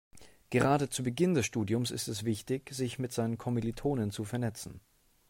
Gerade zu Beginn des Studiums ist es wichtig, sich mit seinen Kommilitonen zu vernetzen.